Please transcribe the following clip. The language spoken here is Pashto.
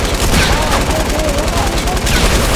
ایا زه ډیر وغږیدم؟